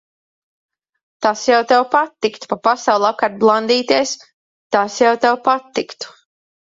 Tas jau tev patiktu. Pa pasauli apkārt blandīties, tas jau tev patiktu.